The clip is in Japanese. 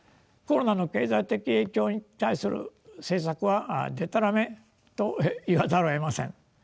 コロナの経済的影響に対する政策は「でたらめ」と言わざるをえません。